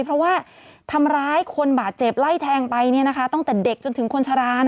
เพราะว่าทำร้ายคนบาดเจ็บไล่แทงไปตั้งแต่เด็กจนถึงคนชะลา